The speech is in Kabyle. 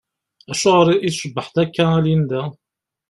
Acuɣeṛ i tcebbḥeḍ akka a Linda?